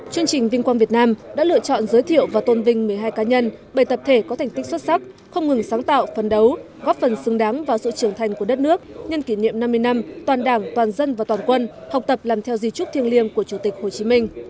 chương trình vinh quang việt nam đã lựa chọn giới thiệu và tôn vinh một mươi hai cá nhân bảy tập thể có thành tích xuất sắc không ngừng sáng tạo phấn đấu góp phần xứng đáng vào sự trưởng thành của đất nước nhân kỷ niệm năm mươi năm toàn đảng toàn dân và toàn quân học tập làm theo di trúc thiêng liêng của chủ tịch hồ chí minh